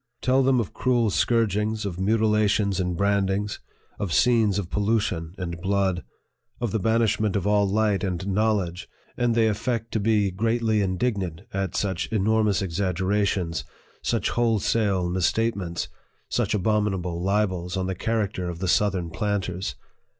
Tell them of cruel scourgings, of mutilations and brandings, of scenes of pollution and blood, of the banishment of all light and knowledge, and they affect to be greatly indignant at such enormous exagger ations, such wholesale misstatements, such abominable libels on the character of the southern planters